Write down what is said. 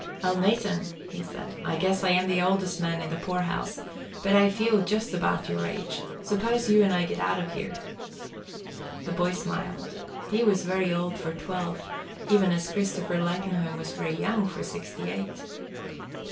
"Elnathan," he said, "I guess I am the oldest man in the poorhouse, but I feel just about your age. Suppose you and I get out of here." The boy smiled. He was very old for twelve, even as Christopher Lightenhome was very young for sixty eight.